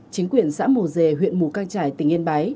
chính quyền xã mồ dề huyện mù căng trải tỉnh yên bái